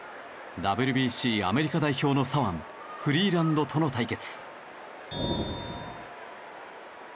ＷＢＣアメリカ代表の左腕フリーランドとの対決。